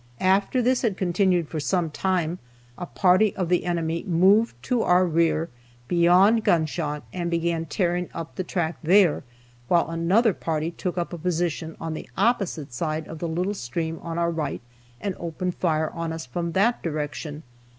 After this had continued for some time, a party of the enemy moved to our rear, beyond gunshot, and began tearing up the track there, while another party took up a position on the opposite side of the little stream on our right, and opened fire on us from that direction.